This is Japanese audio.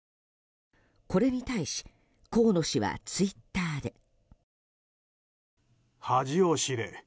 これに対し河野氏はツイッターで。